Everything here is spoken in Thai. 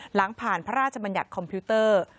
หลังผ่านพระราชบัญญัติคอมพิวเตอร์